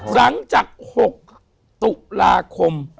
หลังจาก๖ตุลาคม